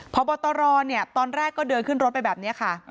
พอบอตโตรเนี่ยตอนแรกก็เดินขึ้นรถไปแบบเนี้ยค่ะอ่า